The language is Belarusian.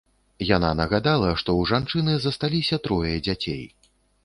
Яна нагадала, што ў жанчыны засталіся трое дзяцей.